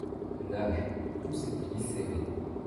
Elle nage, tous ses plis serrés.